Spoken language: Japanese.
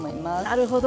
なるほど。